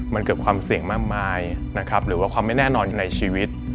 มันเกิดความเสี่ยงมากมายนะครับหรือว่าความไม่แน่นอนในชีวิต